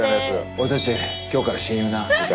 「俺たち今日から親友な」って。